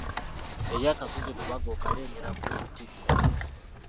Eri akasozi Lubaga okalengera ku lutikko.